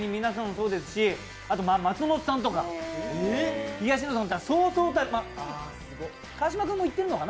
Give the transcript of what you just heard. そうですし、松本さんとか東野さんとかそうそうたる川島君も行ってるのかな？